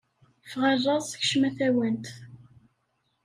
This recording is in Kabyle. Ffeɣ a laẓ, kcemm a tawant.